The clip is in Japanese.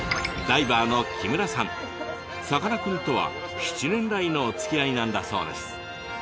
さかなクンとは７年来のおつきあいなんだそうです。